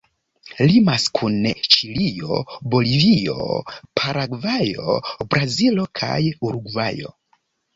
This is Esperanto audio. Limas kun Ĉilio, Bolivio, Paragvajo, Brazilo kaj Urugvajo.